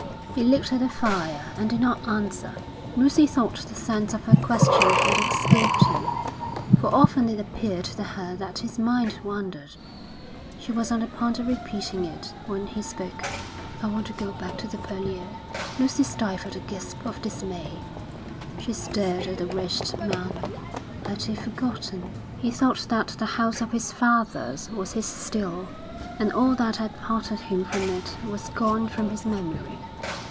He looked at the fire and did not answer. Lucy thought the sense of her question had escaped him, for often it appeared to her that his mind wandered. She was on the point of repeating it when he spoke. 'I want to go back to the Purlieu.' Lucy stifled a gasp of dismay. She stared at the wretched man. Had he forgotten? He thought that the house of his fathers was his still; and all that had parted him from it was gone from his memory.